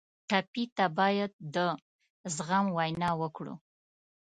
ټپي ته باید د زغم وینا وکړو.